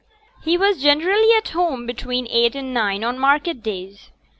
He was generally at home between eight and nine on market days.